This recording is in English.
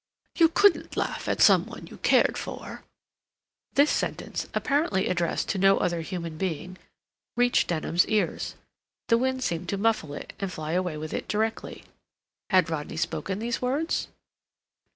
"You couldn't laugh at some one you cared for." This sentence, apparently addressed to no other human being, reached Denham's ears. The wind seemed to muffle it and fly away with it directly. Had Rodney spoken those words?